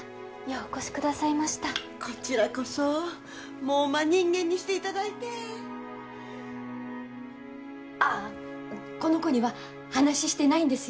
お越しくださいましたこちらこそもう真人間にしていただいてああこの子には話してないんですよ